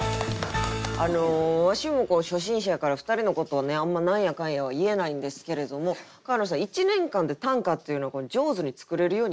あのわしも初心者やから２人のことをねあんま何やかんやは言えないんですけれども川野さん１年間で短歌っていうのは上手に作れるようになるもんですか？